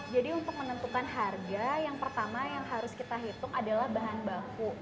jadi untuk menentukan harga yang pertama yang harus kita hitung adalah bahan baku